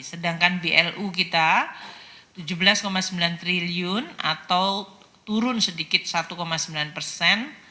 sedangkan blu kita tujuh belas sembilan triliun atau turun sedikit satu sembilan persen